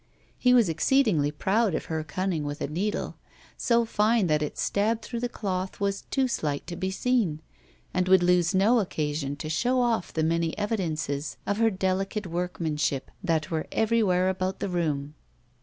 He was exceedingly proud of her cunning with a needle, so fine that its stab through the doth was too slight to be seen, and would lose no occasion to show off the many evidences of her delicate work manship that were everywhere about the room.